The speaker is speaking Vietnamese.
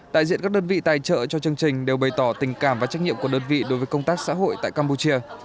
đại diện các đơn vị tài trợ cho chương trình đều bày tỏ tình cảm và trách nhiệm của đơn vị đối với công tác xã hội tại campuchia